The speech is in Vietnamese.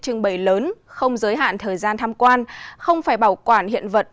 trưng bày lớn không giới hạn thời gian tham quan không phải bảo quản hiện vật